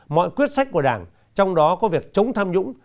mọi quyết sách của đảng trong đó có việc chống tham nhũng